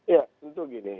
ya tentu gini